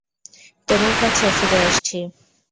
তোমার কাছে ফিরে আসছি।